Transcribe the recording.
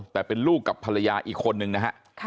แต่เป็นลูกกับภรรยาอีกคนนึงนะฮะ